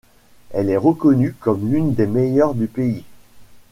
Elle est reconnue comme l'une des meilleures du pays.